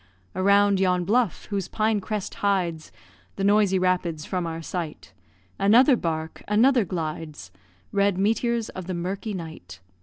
Around yon bluff, whose pine crest hides The noisy rapids from our sight, Another bark another glides Red meteors of the murky night.